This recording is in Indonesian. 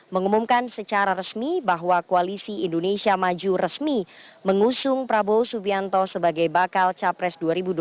mengumumkan secara resmi bahwa koalisi indonesia maju resmi mengusung prabowo subianto sebagai bakal capres dua ribu dua puluh empat